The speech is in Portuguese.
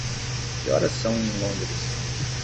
Que horas são em Londres?